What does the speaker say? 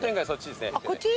こっち？